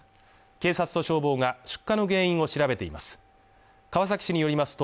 警察と消防が出火の原因を調べています